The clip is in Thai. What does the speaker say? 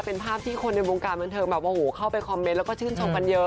เป็นภาพที่คนในวงการบนเทิงเข้าไปคอมเม้นต์